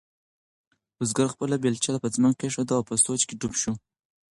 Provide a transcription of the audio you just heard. بزګر خپله بیلچه په ځمکه کېښوده او په سوچ کې ډوب شو.